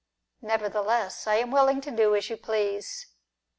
Nevertheless, I am willing to do as you please.